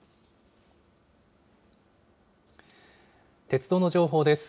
鉄道の情報です。